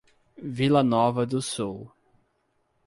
Vila Nova do Sul